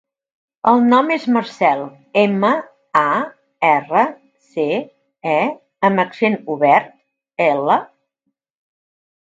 El nom és Marcèl: ema, a, erra, ce, e amb accent obert, ela.